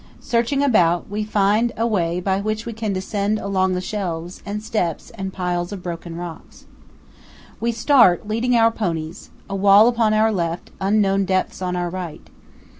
Searching about, we find a way by which we can descend along the shelves and steps and piles of broken rocks. We start, leading our ponies; a wall upon our left; unknown depths on our right.